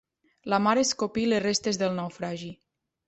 La mar escopí les restes del naufragi.